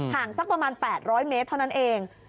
สักประมาณ๘๐๐เมตรเท่านั้นเอง